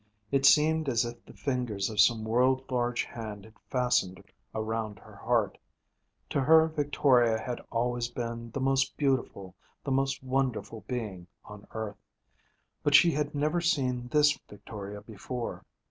It seemed as if the fingers of some world large hand had fastened around her heart. To her Victoria had always been the most beautiful, the most wonderful being, on earth. But she had never seen this Victoria before.